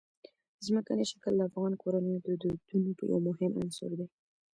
ځمکنی شکل د افغان کورنیو د دودونو یو مهم عنصر دی.